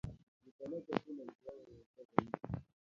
Nipeleke kule ziwani niteke maji.